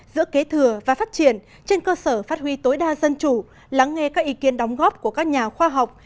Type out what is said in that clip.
giữa kế thừa và phát triển trên cơ sở phát huy tối đa dân chủ lắng nghe các ý kiến đóng góp của các nhà khoa học